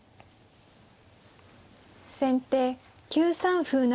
先手９三歩成。